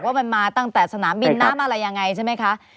ว่ามันมาตั้งแต่สนามบินน้ำอะไรยังไงใช่ไหมคะ